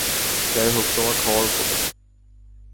যাইহোক, তোমার খবর বলো?